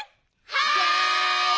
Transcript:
はい！